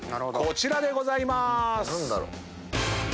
こちらでございまーす。